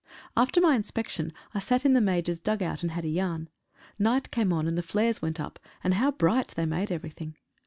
Alter my inspection I sat in the Major's dug out, and had a yarn. Night came on, and the flares went up, and how bright they made everything.